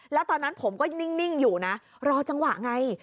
แล้วตอนนั้นผมก็นิ่งอยู่นะรอจังหวะไง